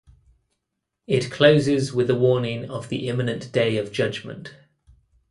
It closes with a warning of the imminent Day of Judgement.